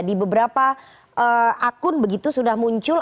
di beberapa akun begitu sudah muncul